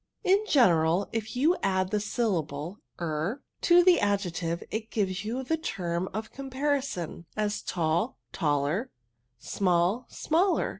" In general if you add the syllable er to the adjective it gives you the term of comparison, as tall, taUer^ small, smaller.